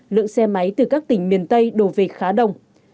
lượng xe máy từ các tỉnh miền tây đổ về khá đông